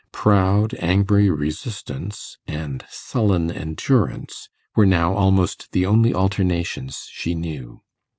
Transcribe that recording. Proud, angry resistance and sullen endurance were now almost the only alternations she knew.